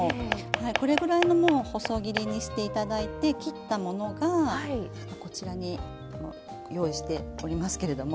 これぐらいのもう細切りにしていただいて切ったものがこちらに用意しておりますけれども。